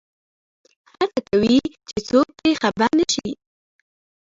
هڅه کوي چې څوک پرې خبر نه شي.